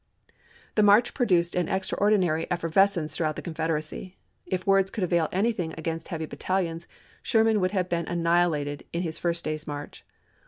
The march produced an extraordinary efferves cence throughout the Confederacy. If words could avail anything against heavy battalions, Sherman would have been annihilated in his first day's march.